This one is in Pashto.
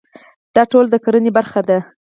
دا ټول د کرنې برخه ده.